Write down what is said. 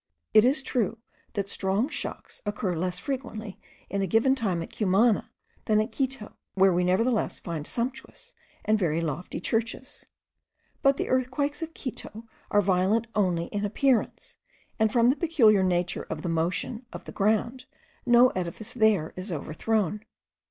It is true, that strong shocks occur less frequently in a given time at Cumana than at Quito, where we nevertheless find sumptuous and very lofty churches. But the earthquakes of Quito are violent only in appearance, and, from the peculiar nature of the motion and of the ground, no edifice there is overthrown.